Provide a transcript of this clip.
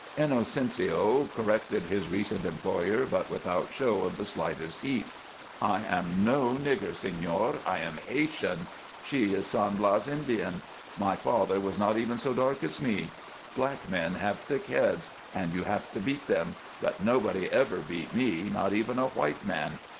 Inocencio corrected his recent employer, but without show of the slightest heat: "I am no nigger, señor; I am Haytian. She is San Blas Indian. My father was not even so dark as me. Black men have thick heads and you have to beat them, but nobody ever beat me, not even a white man.